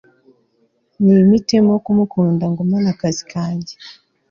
Nimpitemo kumukunda ngumane akazi kajye